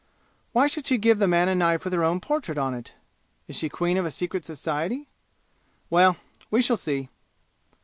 Why should she give the man a knife with her own portrait on it? Is she queen of a secret society? Well we shall see!"